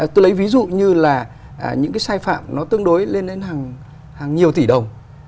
tôi lấy ví dụ như là những cái sai phạm nó tương đối lên đến hàng nhiều tỷ đồng